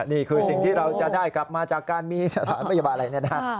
นี่คือสิ่งที่เราจะได้กลับมาจากการมีสถานพยาบาลอะไรเนี่ยนะฮะ